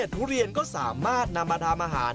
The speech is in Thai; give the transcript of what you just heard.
ทุเรียนก็สามารถนำมาทำอาหาร